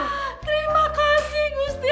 terima kasih gusti